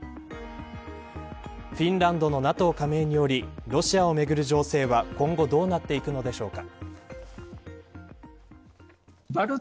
フィンランドのＮＡＴＯ加盟によりロシアをめぐる情勢は今後どうなっていくのでしょうか。